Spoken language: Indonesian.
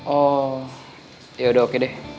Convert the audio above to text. oh yaudah oke deh